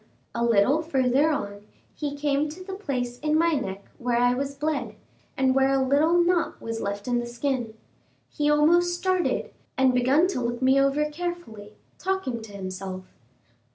A little further on, he came to the place in my neck where I was bled, and where a little knot was left in the skin. He almost started, and begun to look me over carefully, talking to himself.